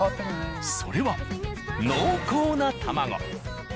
それは濃厚な卵。